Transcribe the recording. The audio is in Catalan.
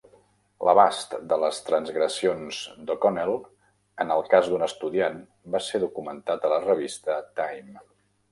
L'abast de les transgressions d'O'Connell en el cas d'un estudiant va ser documentat a la revista "Time".